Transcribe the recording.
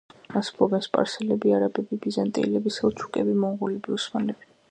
მას ფლობდნენ სპარსელები, არაბები, ბიზანტიელები, სელჩუკები, მონღოლები, ოსმალები.